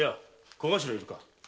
小頭いるかい？